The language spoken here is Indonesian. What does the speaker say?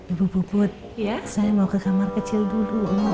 ibu puput saya mau ke kamar kecil dulu